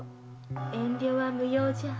遠慮は無用じゃ。